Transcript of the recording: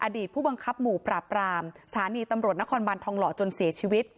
ผู้บังคับหมู่ปราบรามสถานีตำรวจนครบันทองหล่อจนเสียชีวิต